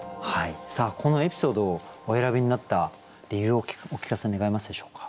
このエピソードをお選びになった理由をお聞かせ願えますでしょうか。